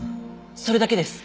それだけです。